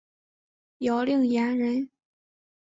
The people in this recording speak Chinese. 姚令言人。